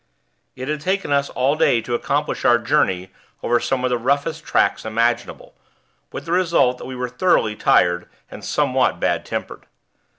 It had taken us all day to accomplish our journey over some of the roughest tracks imaginable, with the result that we were thoroughly tired and somewhat bad tempered.